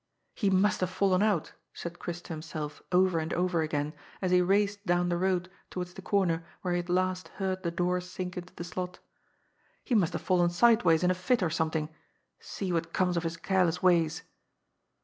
" He must have fallen out," said Chris to himself over and over again, as he raced down the road towards the cor ner where he had last heard the door sink into the slot. " He must have fallen sideways in a flt or something. See what comes of his careless ways